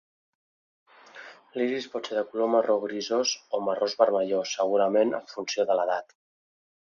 L'iris pot ser de color marró grisós o marró vermellós, segurament en funció de l'edat.